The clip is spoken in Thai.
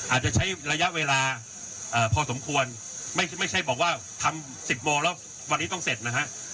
อาจจะใช้ระยะเวลาพอสมควรไม่ใช่บอกว่าทำ๑๐โมงแล้ววันนี้ต้องเสร็จนะฮะ